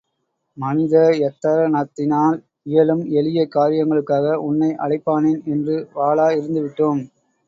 மனிதயத்தனத்தினால் இயலும் எளிய காரியங்களுக்காக உன்னை அழைப்பானேன் என்று வாளா இருந்துவிட்டோம்.